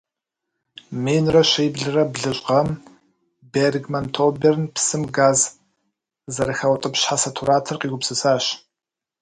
Минрэ щиблрэ блыщI гъэм Бергман Тоберн псым газ зэрыхаутIыпщхьэ сатуратор къигупсысащ.